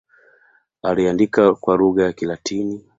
Aliandika kwa lugha ya Kilatini.